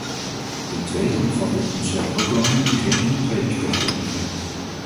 Ten tweede omvat dit concept ook landen die geen toetredingsperspectief hebben.